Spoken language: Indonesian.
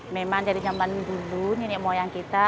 memang dari zaman dulu nenek moyang kita